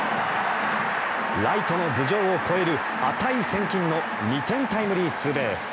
ライトの頭上を越える値千金のタイムリーツーベース。